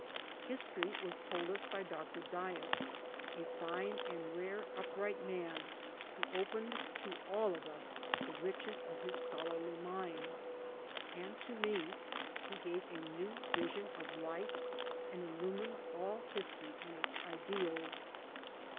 History was told us by Dr. Dyess, a fine and rarely upright man who opened to all of us the riches of his scholarly mind; and to me he gave a new vision of life and illumined all history and its ideals.